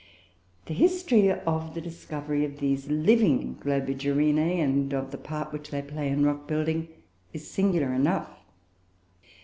The history of the discovery of these living Globigerinoe, and of the part which they play in rock building, is singular enough.